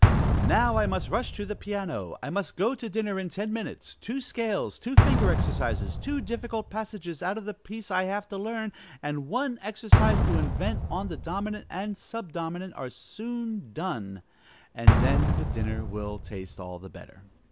"Now I must rush to the piano! I must go to dinner in ten minutes: two scales, two finger exercises, two difficult passages out of the piece I have to learn, and one exercise to invent on the dominant and sub dominant, are soon done; and then the dinner will taste all the better."